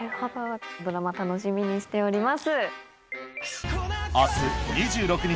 ドラマ楽しみにしております。